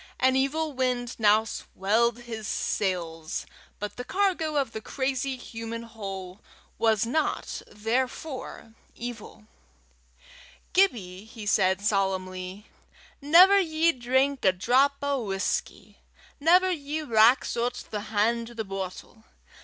An evil wind now swelled his sails, but the cargo of the crazy human hull was not therefore evil. "Gibbie," he said, solemnly, "never ye drink a drap o' whusky. Never ye rax oot the han' to the boatle.